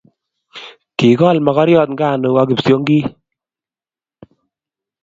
Kikol mokoriot nganuk ak kipsiongik